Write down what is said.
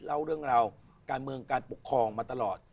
เล่าเรื่องราวการเมืองการปกครองมาตลอด